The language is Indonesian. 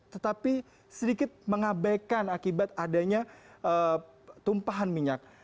tetapi sedikit mengabaikan akibat adanya tumpahan minyak